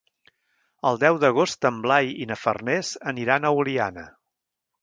El deu d'agost en Blai i na Farners aniran a Oliana.